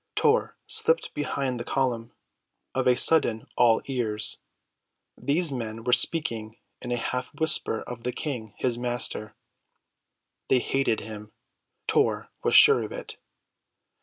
Tor slipped behind the column, of a sudden all ears. These men were speaking in a half whisper of the King, his Master. They hated him; Tor was sure of it.